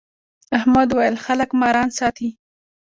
احمد وويل: خلک ماران ساتي.